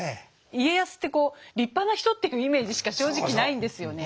家康って立派な人っていうイメージしか正直ないんですよね。